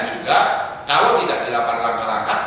juga kalau tidak dilakukan langkah langkah